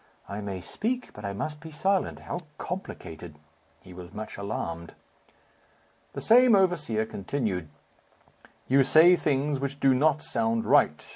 "I may speak, but I must be silent. How complicated." He was much alarmed. The same overseer continued, "You say things which do not sound right.